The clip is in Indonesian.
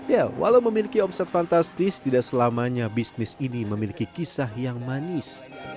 ya walau memiliki omset fantastis tidak selamanya bisnis ini memiliki kisah yang manis